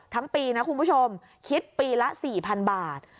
ทั้งปีนะคุณผู้ชมคิดปีละ๔๐๐๐บาท